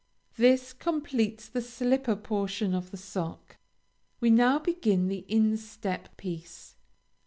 This completes the slipper portion of the sock. We now begin the instep piece.